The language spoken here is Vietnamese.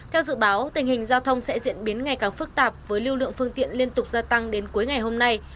theo dự báo tình hình giao thông sẽ diễn biến ngày càng phức tạp với lưu lượng phương tiện liên tục gia tăng đến cuối ngày hôm nay